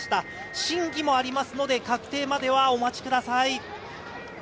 審議もありますので確定まではお待ちください。